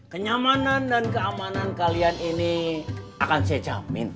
kenyamanan dan keamanan kalian ini akan saya jamin